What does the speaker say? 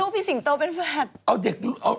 ลูกพี่สิงโตเป็นแฟด